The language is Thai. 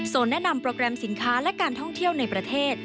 แนะนำโปรแกรมสินค้าและการท่องเที่ยวในประเทศ